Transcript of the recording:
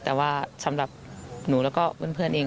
แต่ว่าสำหรับหนูแล้วก็เพื่อนเอง